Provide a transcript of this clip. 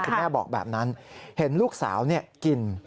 แม่บอกแบบนั้นเห็นลูกสาวกิน